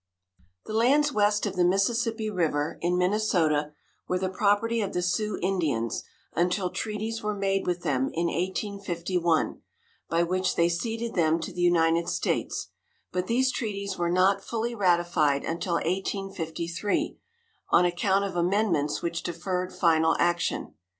The lands west of the Mississippi river, in Minnesota, were the property of the Sioux Indians until treaties were made with them in 1851, by which they ceded them to the United States, but these treaties were not fully ratified until 1853, on account of amendments which deferred final action.